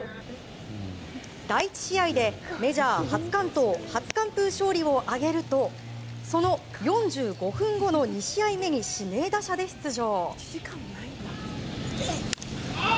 第１試合でメジャー初完投初完封勝利を挙げるとその４５分後の２試合目に指名打者で出場。